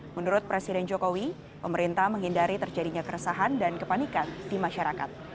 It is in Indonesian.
menurut presiden jokowi pemerintah menghindari terjadinya keresahan dan kepanikan di masyarakat